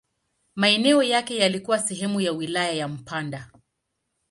Maeneo yake yalikuwa sehemu ya wilaya ya Mpanda.